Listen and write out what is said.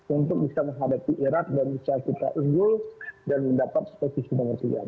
untuk bisa menghadapi irak dan bisa kita unggul dan mendapat spesifikasi yang sangat besar